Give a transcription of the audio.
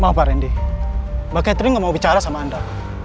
maaf pak randy mbak catering nggak mau bicara sama anda